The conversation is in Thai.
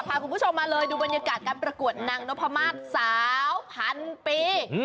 พาคุณผู้ชมมาเลยดูบรรยากาศการประกวดนางนพมาศสาวพันปี